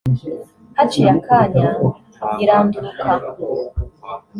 haciye akanya iranduruka